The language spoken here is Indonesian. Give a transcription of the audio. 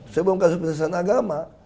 sebelum kasus penistaan agama